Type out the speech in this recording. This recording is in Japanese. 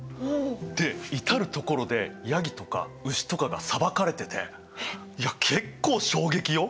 で至る所でヤギとか牛とかがさばかれてていや結構衝撃よ。